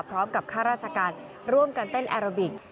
พร้อมกับข้าราชการร่วมกันเต้นแอร์บิค